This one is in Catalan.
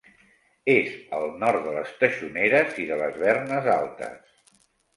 És al nord de les Teixoneres i de les Vernes Altes.